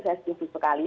saya setuju sekali